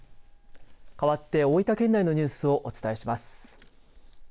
かわって大分県内のニュースをお伝えします。